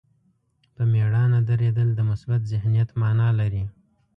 په مېړانه درېدل د مثبت ذهنیت معنا لري.